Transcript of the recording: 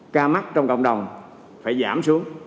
ca mắc trong cộng đồng phải giảm xuống